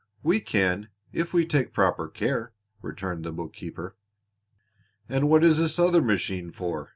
"We can if we take proper care," returned the bookkeeper. "And what is this other machine for?"